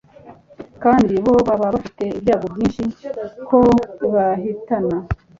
kandi bo baba bafite ibyago byinshi ko ibahitana